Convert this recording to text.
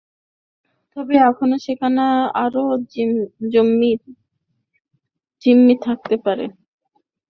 তবে এখনো সেখানে আরও জিম্মি থাকতে পারে বলে মনে করছেন নিরাপত্তা বিশ্লেষকেরা।